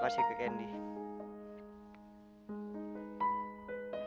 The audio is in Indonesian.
bisa saya liat kerangnya gak